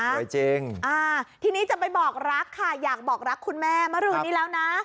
สวยจริงอ่าทีนี้จะไปบอกรักค่ะอยากบอกรักคุณแม่เมื่อรืนนี้แล้วนะ